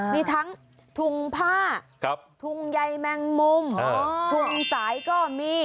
มีทั้งถุงผ้าถุงใยแมงมุมถุงสายก็มี